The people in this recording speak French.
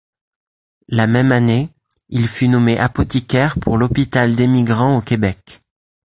La même année, il fut nommé apothicaire pour l'hôpital d'émigrant au Québec.